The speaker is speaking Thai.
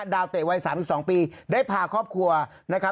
เตะวัย๓๒ปีได้พาครอบครัวนะครับ